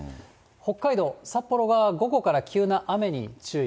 北海道、札幌は午後から急な雨に注意。